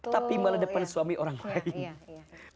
tapi malah depan suami orang lain